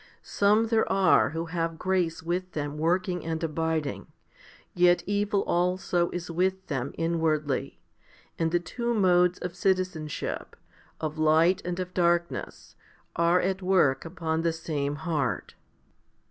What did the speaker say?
Some there are who have grace with them working and abiding, yet evil also is with them inwardly, and the two modes of citizenship, of light and of darkness, are at work upon the same heart.